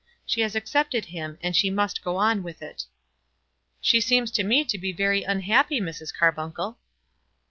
She has accepted him, and she must go on with it." "She seems to me to be very unhappy, Mrs. Carbuncle."